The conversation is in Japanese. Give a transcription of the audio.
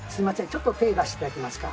ちょっと手出して頂けますか？